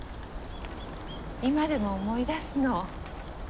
今でも思い出すの。